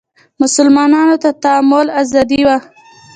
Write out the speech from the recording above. مسلمانانو ته تعامل ازادي وه